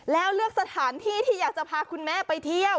แล้วเลือกสถานที่ที่อยากจะพาคุณแม่ไปเที่ยว